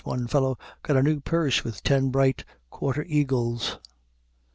One fellow got a new purse with ten bright quarter eagles.